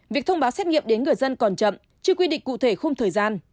việc thông báo xét nghiệm đến người dân còn chậm chưa quy định cụ thể khung thời gian